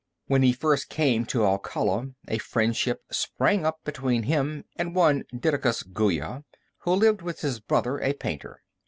When he first came to Alcala a friendship sprang up between him and one Didacus Guya, who lived with his brother, a painter.